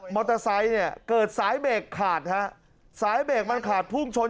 มอเตอร์ไซค์เนี่ยเกิดสายเบรกขาดฮะสายเบรกมันขาดพุ่งชน